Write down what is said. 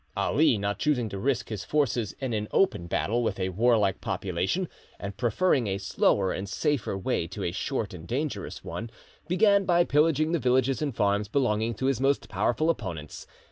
Ali, not choosing to risk his forces in an open battle with a warlike population, and preferring a slower and safer way to a short and dangerous one, began by pillaging the villages and farms belonging to his most powerful opponents.